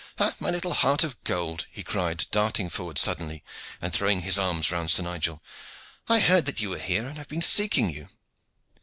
"Ha, my little heart of gold!" he cried, darting forward suddenly and throwing his arms round Sir Nigel. "I heard that you were here and have been seeking you."